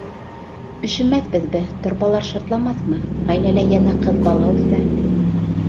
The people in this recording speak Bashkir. Өшөмәҫбеҙме, торбалар шартламаҫмы? Ғаиләлә йәнә ҡыҙ бала үҫә.